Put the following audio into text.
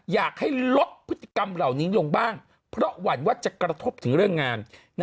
อยากให้ลดพฤติกรรมเหล่านี้ลงบ้างเพราะหวั่นว่าจะกระทบถึงเรื่องงาน